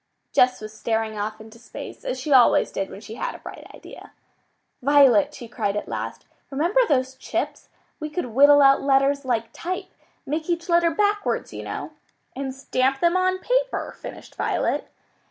Jess was staring off into space, as she always did when she had a bright idea. "Violet," she cried at last, "remember those chips? We could whittle out letters like type make each letter backwards, you know." "And stamp them on paper!" finished Violet.